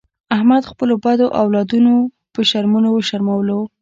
احمد خپلو بدو اولادونو په شرمونو و شرمولو.